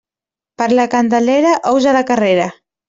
Per la Candelera, ous a la carrera.